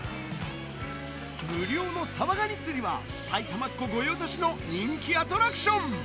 無料のサワガニ釣りは、埼玉っ子御用達の人気アトラクション。